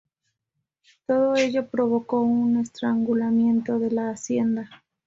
Todo ello provocó un estrangulamiento de la hacienda.